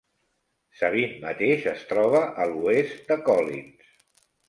Sabine mateix es troba a l'oest de Collins.